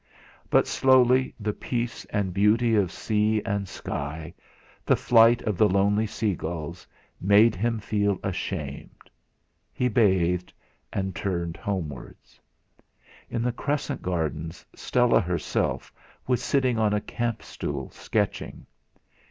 But slowly the peace and beauty of sea and sky, the flight of the lonely seagulls, made him feel ashamed. He bathed, and turned homewards. In the Crescent gardens Stella herself was sitting on a camp stool, sketching.